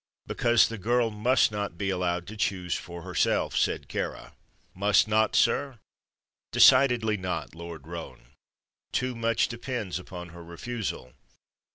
"Because the girl must not be allowed to choose for herself," said Kāra. "Must not, sir?" "Decidedly not, Lord Roane. Too much depends upon her refusal.